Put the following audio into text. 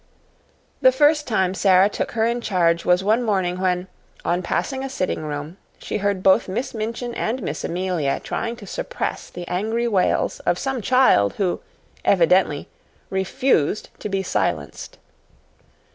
The first time Sara took her in charge was one morning when, on passing a sitting room, she heard both Miss Minchin and Miss Amelia trying to suppress the angry wails of some child who, evidently, refused to be silenced.